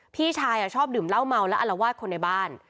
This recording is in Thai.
พี่ชายชอบดื่มเหล้าเมาและอลวาดคนในบ้าน